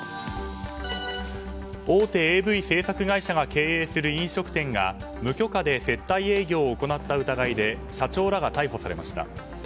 大手ＡＶ制作会社が経営する飲食店が無許可で接待営業を行った疑いで社長らが逮捕されました。